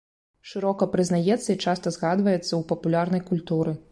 Шырока прызнаецца і часта згадваецца ў папулярнай культуры.